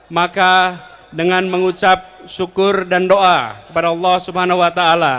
maka dengan mengucap syukur dan doa kepada allah swt